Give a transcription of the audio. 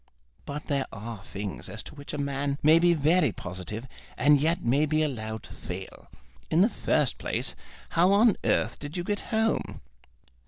"But there are things as to which a man may be very positive, and yet may be allowed to fail. In the first place, how on earth did you get home?"